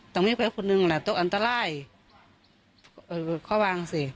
เป็นผลงานอำตรายเขาวางซิ